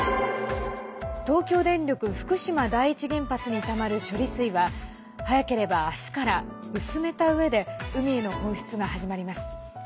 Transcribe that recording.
東京電力福島第一原発にたまる処理水は早ければ明日から薄めたうえで海への放出が始まります。